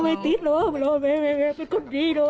ไม่ติดหนูเป็นคนดีหนู